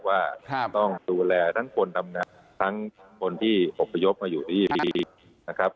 ว่าต้องดูแลทั้งคนทำงานทั้งคนที่อบพยพมาอยู่ที่ดีนะครับ